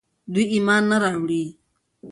دوی ايمان نه راوړي